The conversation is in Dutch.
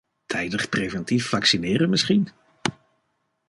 Tijdig preventief vaccineren misschien?